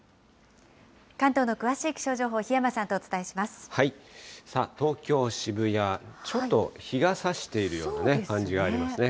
関東の詳しい気象情報、東京・渋谷、ちょっと日がさしているような感じがありますね。